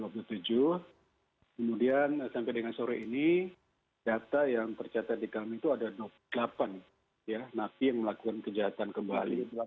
kemudian sampai dengan sore ini data yang tercatat di kami itu ada delapan napi yang melakukan kejahatan kembali